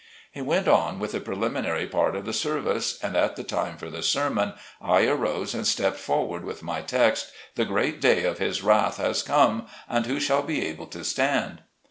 He went on with the preliminary part of the ser vice, and at the time for the sermon, I arose and stepped forward with my text :" The great day of his wrath has come, and who shall be able to stand